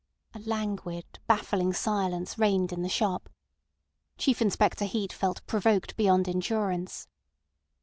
A languid, baffling silence reigned in the shop. Chief Inspector Heat felt provoked beyond endurance.